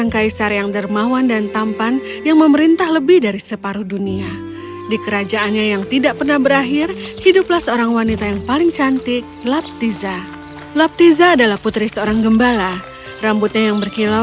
cerita dalam bahasa indonesia